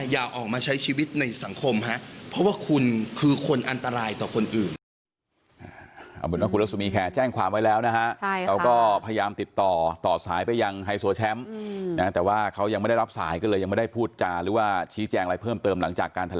อย่าออกมาใช้ชีวิตในสังคมฮะเพราะว่าคุณคือคนอันตรายต่อคนอื่น